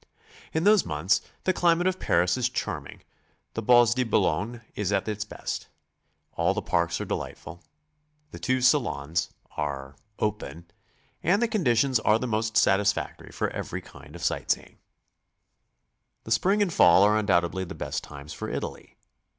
In those months the climate of Paris is charming, the Bois de Boulogne is at its best, all the parks are delightful, the two Salons are WHY, WHO, AND WHEN TO GO. 13 open, and the conditions are the most satisfactory for every kind of sight seeing. The spring and fall are undoubtedly the best times for Italy.